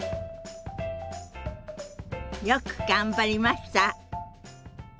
よく頑張りました。